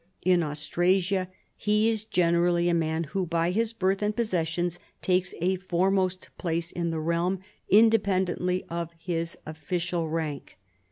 In Austrasia he is generally a man who, by his birth and possessions, takes a foremost place in the realm independently of his official rank.